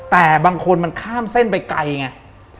แต่บางคนมันข้ามเส้นไปไกลไง